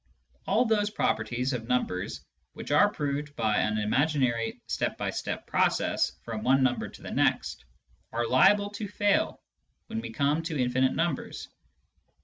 All those properties of numbers which are proved by an imaginary step by step process from one number to the next are liable to fail when we come to infinite numbers.